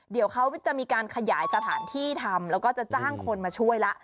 เดี๋ยวเขาจะมีการขยายสถานที่ทำแล้วก็จะจ้างคนมาช่วยละ